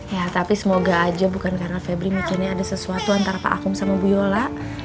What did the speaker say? ya tapi semoga aja bukan karena febri mikirnya ada sesuatu antara pak akum sama bu yola